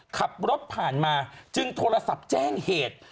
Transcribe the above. ขับรถผ่านมาจึงโทรศัพท์แจ้งเหตุ